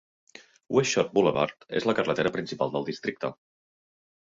Westshore Boulevard és la carretera principal del districte.